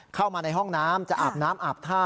เข้ามาในห้องน้ำจะอาบน้ำอาบท่า